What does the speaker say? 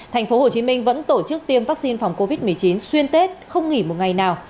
tp hcm vẫn tổ chức tiêm vaccine phòng covid một mươi chín xuyên tết không nghỉ một ngày nào